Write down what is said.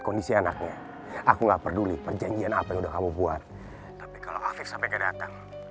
kondisi anaknya aku nggak peduli perjanjian apa yang kamu buat tapi kalau sampai kedatang